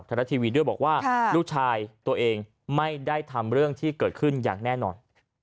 รัฐทีวีด้วยบอกว่าลูกชายตัวเองไม่ได้ทำเรื่องที่เกิดขึ้นอย่างแน่นอน